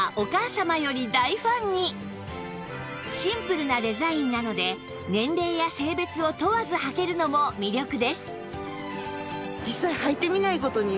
シンプルなデザインなので年齢や性別を問わず履けるのも魅力です